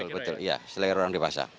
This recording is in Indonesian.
betul iya selain orang dewasa